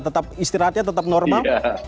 tetap istirahatnya tetap normal